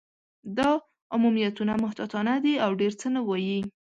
دا عمومیتونه محتاطانه دي، او ډېر څه نه وايي.